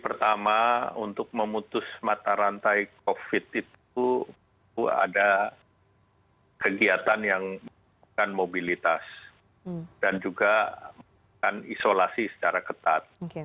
pertama untuk memutus mata rantai covid itu ada kegiatan yang menggunakan mobilitas dan juga melakukan isolasi secara ketat